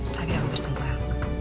tapi aku bersumpah